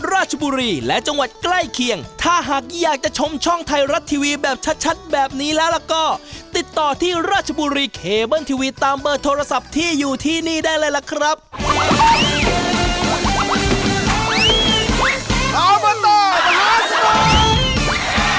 รอบตัวรอบตัวรอบตัว